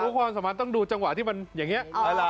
ทุกคนสามารถต้องดูจังหวะที่มันอย่างเนี่ย